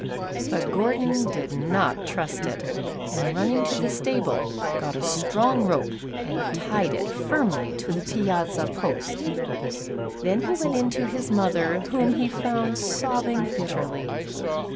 But Gordon did not trust it, and running to the stable, got a strong rope and tied it firmly to the piazza post. Then he went in to his mother, whom he found sobbing bitterly.